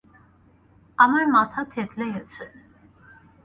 তার মাথা থেঁতলে গেছে।